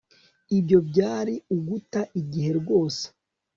Ibyo byari uguta igihe rwose